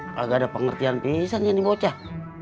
kalau gak ada pengertian bisa nih ini bocah